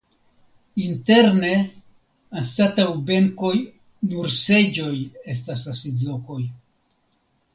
Interne anstataŭ benkoj nur seĝoj estas la sidlokoj.